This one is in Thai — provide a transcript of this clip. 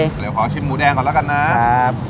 เดี๋ยวขอชิมหมูแดงก่อนแล้วกันนะครับ